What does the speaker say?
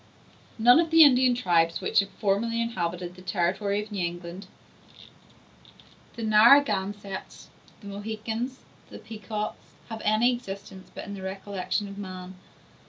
None of the Indian tribes which formerly inhabited the territory of New England—the Naragansetts, the Mohicans, the Pecots—have any existence but in the recollection of man.